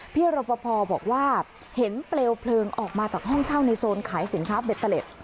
พี่รปภบอกว่าเห็นเปลวเพลิงออกมาจากห้องเช่าในโซนขายสินค้าเบตเตอร์เล็ต